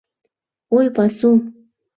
Ой, пасу